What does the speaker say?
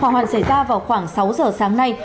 hỏa hoạn xảy ra vào khoảng sáu giờ sáng nay